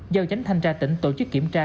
giao chánh thanh tra tỉnh tổ chức kiểm tra